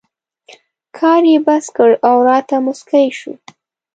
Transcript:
کار یې بس کړ او راته مسکی شو.